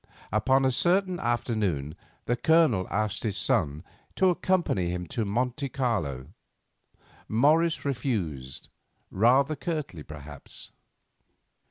Upon a certain afternoon the Colonel asked his son to accompany him to Monte Carlo. Morris refused, rather curtly, perhaps.